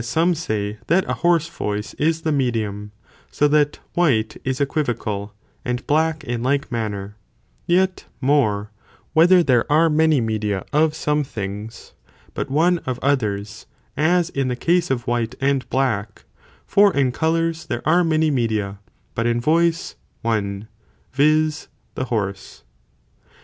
some say that a hoarse voice is the medium; so that white is equivocal, and black in like manner; yet more, whether there are many media of some things, hut one of others, as in the case of white and black; for in colours, there are many media, but in voice, one, viz. the hoarse.